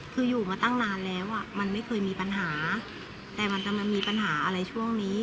คืออยู่มาตั้งนานแล้วอ่ะมันไม่เคยมีปัญหาแต่มันจะมามีปัญหาอะไรช่วงนี้